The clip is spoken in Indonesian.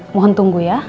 mohon tunggu ya